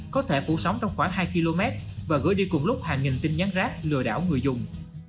có thể phủ sóng trong khoảng hai km và gửi đi cùng lúc hàng nghìn tin nhắn rác lừa đảo người dùng